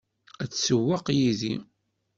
Ad tsewweq yid-i?